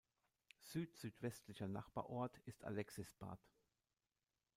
Südsüdwestlicher Nachbarort ist Alexisbad.